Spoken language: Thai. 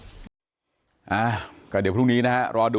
แต่อยากให้ไปสอบถามเองดีกว่านะครับ